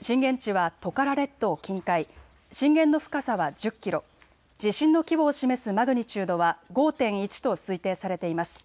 震源地はトカラ列島近海、震源の深さは１０キロ、地震の規模を示すマグニチュードは５．１と推定されています。